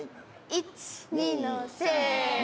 １２のせの。